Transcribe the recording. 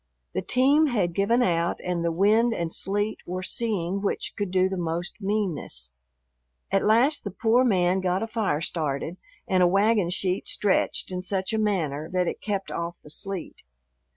The team had given out and the wind and sleet were seeing which could do the most meanness. At last the poor man got a fire started and a wagon sheet stretched in such a manner that it kept off the sleet.